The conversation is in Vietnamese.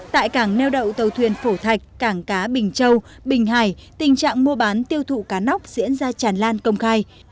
tại cảng neo đậu tàu thuyền phổ thạch cảng cá bình châu bình hải tình trạng mua bán tiêu thụ cá nóc diễn ra tràn lan công khai